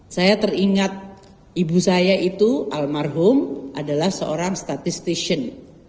saya teringat ibu saya itu almarhum adalah seorang statistician